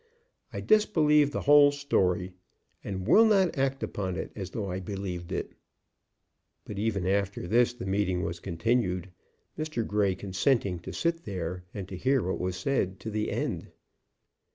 I disbelieve the whole story, and will not act upon it as though I believed it." But even after this the meeting was continued, Mr. Grey consenting to sit there and to hear what was said to the end.